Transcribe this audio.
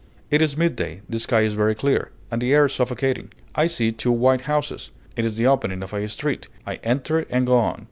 It is midday, the sky is very clear, and the air suffocating. I see two white houses; it is the opening of a street; I enter and go on.